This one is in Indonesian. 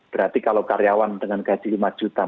berarti kalau karyawan dengan gaji lima juta